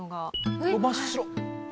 真っ白！